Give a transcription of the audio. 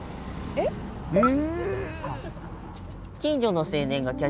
えっ！へえ。